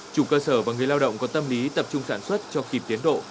chủ cơ sở và người lao động có tâm lý tập trung sản xuất cho kịp tiến độ